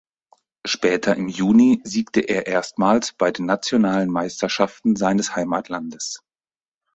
Später im Juni siegte er erstmals bei den nationalen Meisterschaften seines Heimatlandes.